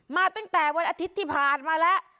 มาตั้งแต่วันอาทิตย์ที่ผ่านมาแล้ว